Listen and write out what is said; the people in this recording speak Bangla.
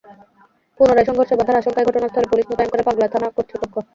পুনরায় সংঘর্ষ বাধার আশঙ্কায় ঘটনাস্থলে পুলিশ মোতায়েন করে পাগলা থানা কর্তৃপক্ষ।